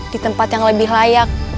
di tempat yang lebih layak